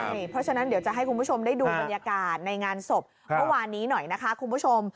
เพราะฉะนั้นเดี๋ยวจะให้คุณผู้ชมได้ดูบรรยากาศในงานศพเมื่อวานนี้หน่อยนะคะคุณผู้ชม